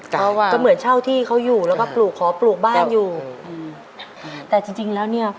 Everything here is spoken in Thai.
เพราะว่าก็เหมือนเช่าที่เขาอยู่แล้วก็ปลูกขอปลูกบ้านอยู่อืมแต่จริงจริงแล้วเนี้ย